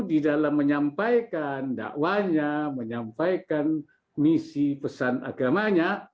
di dalam menyampaikan dakwahnya menyampaikan misi pesan agamanya